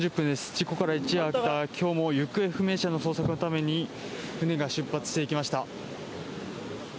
事故から一夜明けた今日も行方不明者の捜索のために、船が出発していきました。